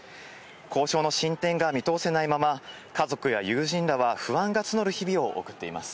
交渉の進展が見通せない、家族や友人らは不安が募る日々を送っています。